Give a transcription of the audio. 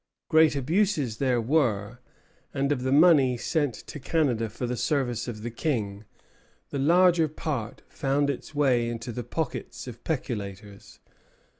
Great abuses there were; and of the money sent to Canada for the service of the King the larger part found its way into the pockets of peculators.